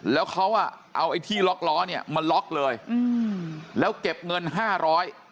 แล้วเขาอ่ะเอาไอ้ที่ล็อกล้อเนี่ยมาล็อกเลยอืมแล้วเก็บเงินห้าร้อย